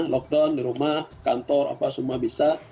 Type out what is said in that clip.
lockdown di rumah kantor apa semua bisa